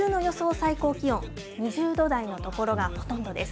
最高気温、２０度台の所がほとんどです。